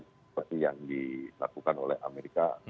seperti yang dilakukan oleh amerika